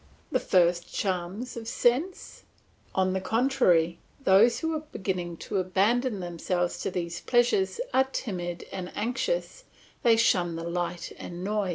The first charms of sense? On the contrary; those who are beginning to abandon themselves to these pleasures are timid and anxious, they shun the light and noise.